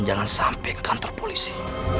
jangan sampai ke kantor polisi